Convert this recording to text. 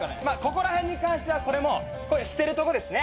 ここら辺に関してはこれもう捨てるとこですね。